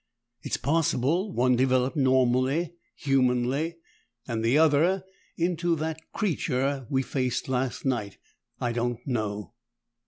It's possible; one developed normally, humanly, and the other into that creature we faced last night. I don't know!"